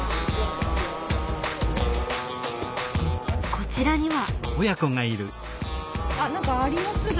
こちらには。